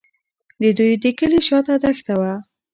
د دوی د کلي شاته دښته وه.